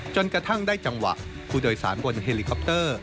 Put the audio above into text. จนกระทั่งได้จังหวะผู้โดยสารบนเฮลิคอปเตอร์